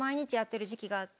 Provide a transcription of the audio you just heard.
時期があって。